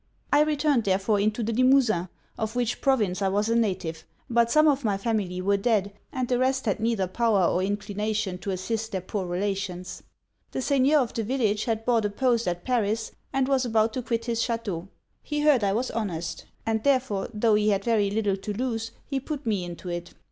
_' 'I returned therefore into the Limosin, of which province I was a native; but some of my family were dead, and the rest had neither power or inclination to assist their poor relations. The seigneur of the village had bought a post at Paris, and was about to quit his chateau. He heard I was honest; and therefore, tho' he had very little to lose, he put me into it.